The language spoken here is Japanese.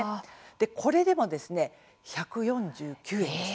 これでも１４９円でした。